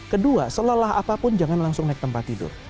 kedua selelah apapun jangan langsung naik tempat tidur